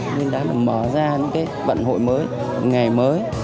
nguyên đan là mở ra những cái vận hội mới ngày mới